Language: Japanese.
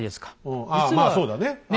ああまあそうだね。